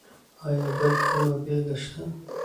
ایا بل کومه بېلګه شته؟